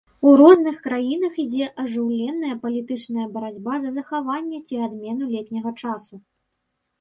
У розных краінах ідзе ажыўленая палітычная барацьба за захаванне ці адмену летняга часу.